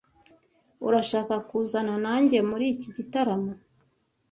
Urashaka kuzana nanjye muri iki gitaramo?